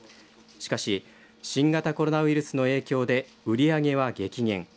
しかし新型コロナウイルスの影響で売り上げは激減。